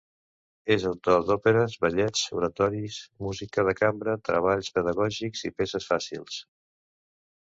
És autor d'òperes, ballets, oratoris, música de cambra, treballs pedagògics i peces fàcils.